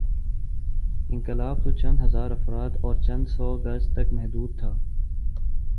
انقلاب توچند ہزارافراد اور چندسو گز تک محدود تھا۔